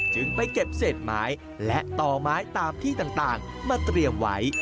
จึงไปเก็บเศษไม้และต่อไม้ตามที่ต่างมาเตรียมไว้